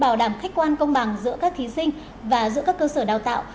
bảo đảm khách quan công bằng giữa các thí sinh và giữa các cơ sở đào tạo